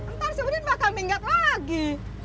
ntar si udin bakal minggat lagi